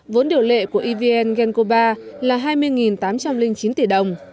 vốn điều lệ của evn genco ba là hai mươi tám trăm linh chín tỷ đồng